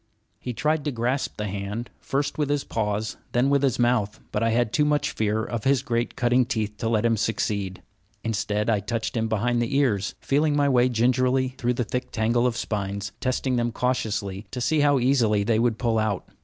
He tried to grasp the hand, first with his paws, then with his mouth; but I had too much fear of his great cutting teeth to let him succeed. Instead I touched him behind the ears, feeling my way gingerly through the thick tangle of spines, testing them cautiously to see how easily they would pull out.